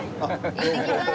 いってきます！